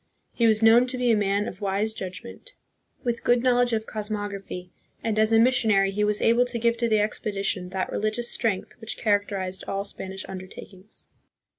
He was known to be a man of wise judgment, 125 126 THE PHILIPPINES. with good knowledge of cosmography, and as a missionary he was able to give to the expedition that religious strength which characterized all Spanish undertakings.